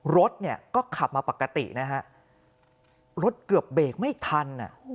รถเนี่ยก็ขับมาปกตินะฮะรถเกือบเบรกไม่ทัน